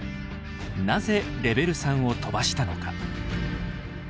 なぜレベル３を飛ばしたのか。